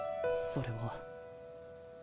それは。